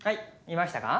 見ましたか？